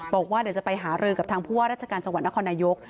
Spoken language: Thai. บอกว่าเดี๋ยวจะไปหารือกับทางผู้ว่าราชการจังหวัดนครนายก